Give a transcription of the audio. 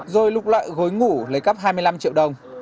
rồi lục lợ gối ngủ lấy cắp hai mươi năm triệu đồng